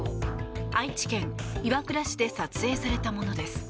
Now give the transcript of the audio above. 愛知県岩倉市で撮影されたものです。